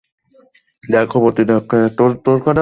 দ্যাখো, প্রতিটা অক্ষরের একটা সংখ্যা আছে।